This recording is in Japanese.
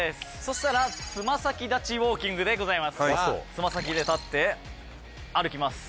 つま先で立って歩きます。